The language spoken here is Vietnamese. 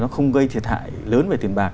nó không gây thiệt hại lớn về tiền bạc